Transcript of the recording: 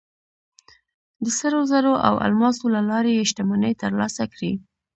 د سرو زرو او الماسو له لارې یې شتمنۍ ترلاسه کړې.